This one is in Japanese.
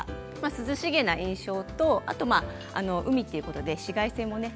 涼しげな印象と海ということで紫外線もね